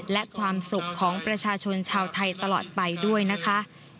และความสุขของประชาชนชาวไทยตลอดไปด้วยนะคะ